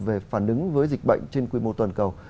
về phản ứng với dịch bệnh trên quy mô toàn cầu